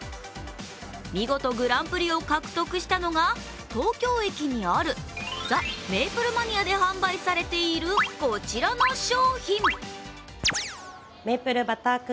見事グランプリを獲得したのが東京駅にあるザ・メープルマニアで販売されているこちらの商品。